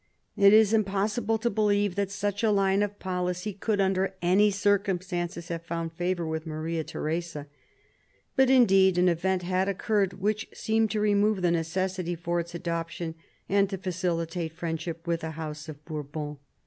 It is impossible to believe that such a line of policy could, under any circumstances, have found favour with Maria Theresa. But, indeed, an event had occurred which seemed to remove the necessity for its adoption and to facilitate friendship with the House of Bourbon.